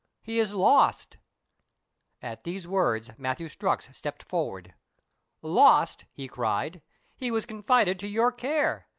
He is lost !" At these words, Matthew Strux stepped forward. "Lost!" he cried. "He was confided to your care.